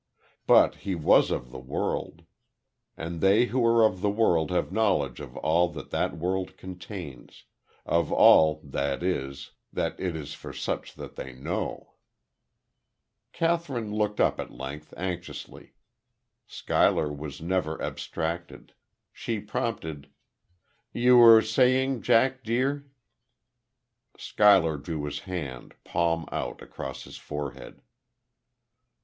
But he was of the world; and they who are of the world have knowledge of all that that world contains of all, that is, that it is for such as they to know. Kathryn looked up, at length, anxiously. Schuyler was never abstracted. She prompted: "You were saying, Jack, dear " Schuyler drew his hand, palm out, across his forehead.